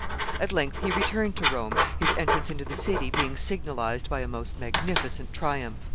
At length he returned to Rome, his entrance into the city being signalized by a most magnificent triumph.